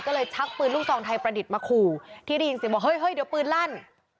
ก็เลยชักปืนลูกซองไทยประดิษฐ์มาขู่ที่ได้ยินเสียงบอกเฮ้ยเฮ้ยเดี๋ยวปืนลั่น